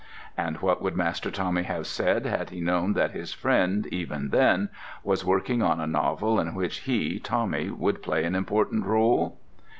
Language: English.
And what would Master Tommy have said had he known that his friend, even then, was working on a novel in which he, Tommy, would play an important rôle!